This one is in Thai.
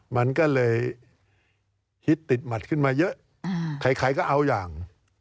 มันก็เลยฮิตติดหมัดขึ้นมาเยอะใครก็เอาอย่าง